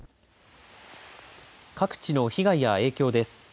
各地の被害や影響です。